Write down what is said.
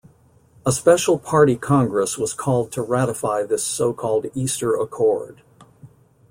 A special party congress was called to ratify this so-called Easter Accord.